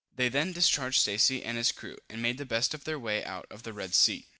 They then discharged Stacy and his crew, and made the best of their way out of the Red Sea.